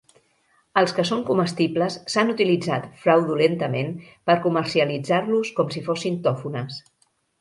Els que són comestibles s'han utilitzat fraudulentament per comercialitzar-los com si fossin tòfones.